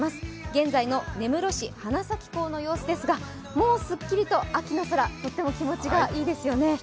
現在の根室市花咲港の様子ですがもうすっきりと秋の空、とっても気持ちがいいですよね。